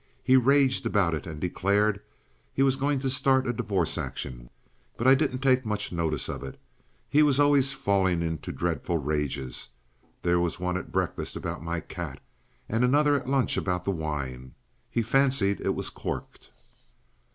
He raged about it, and declared he was going to start a divorce action. But I didn't take much notice of it. He was always falling into dreadful rages. There was one at breakfast about my cat and another at lunch about the wine. He fancied it was corked."